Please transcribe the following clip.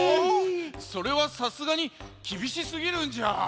それはさすがにきびしすぎるんじゃ。